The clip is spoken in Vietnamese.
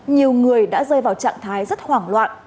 nhiều người đã rơi vào trạng thái rất hoảng loạn